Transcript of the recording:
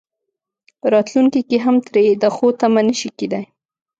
راتلونکي کې هم ترې د ښو تمه نه شي کېدای.